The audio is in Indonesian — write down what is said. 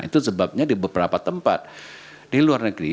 itu sebabnya di beberapa tempat di luar negeri